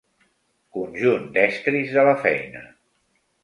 Conjunt d'estris de la feina.